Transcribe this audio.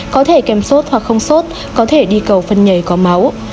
có thể kèm sốt hoặc không sốt có thể đi cầu phân nhảy có máu